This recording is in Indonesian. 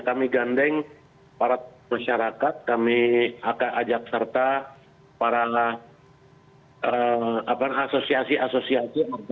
kami gandeng para masyarakat kami akan ajak serta para asosiasi asosiasi